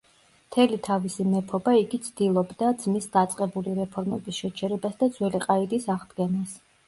მთელი თავისი მეფობა იგი ცდილობდა ძმის დაწყებული რეფორმების შეჩერებას და ძველი ყაიდის აღდგენას.